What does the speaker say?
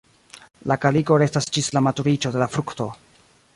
La kaliko restas ĝis la maturiĝo de la frukto.